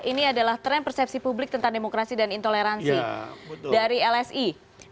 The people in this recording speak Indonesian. ini adalah tren persepsi publik tentang demokrasi dan intoleransi dari lsi